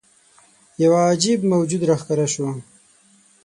یوه عجيب موجود راښکاره شو.